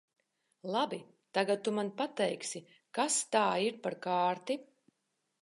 Labi, tagad tu man pateiksi, kas tā ir par kārti?